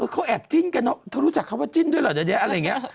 เขาแอบจิ้นกันเนอะเธอรู้จักคำว่าจิ้นด้วยเหรอเดี๋ยวอะไรอย่างนี้